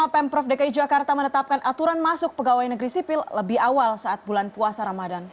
pemprov dki jakarta menetapkan aturan masuk pegawai negeri sipil lebih awal saat bulan puasa ramadan